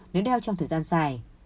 nếu đeo trong thời gian dài